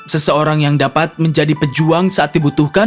seseorang yang dapat menjadi pejuang saat dibutuhkan